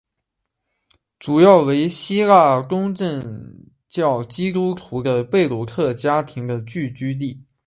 主要为希腊东正教基督徒的贝鲁特家庭的聚居地。